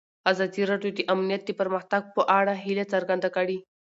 ازادي راډیو د امنیت د پرمختګ په اړه هیله څرګنده کړې.